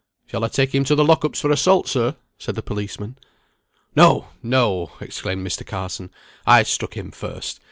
"Shall I take him to the lock ups for assault, sir?" said the policeman. "No, no," exclaimed Mr. Carson; "I struck him first.